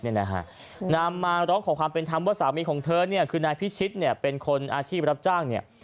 นำมาร้องขอความเป็นธรรมว่าสามีของเธอเนี่ยคือนายพิชิตเนี่ยเป็นคนอาชีพรับจ้างเนี่ย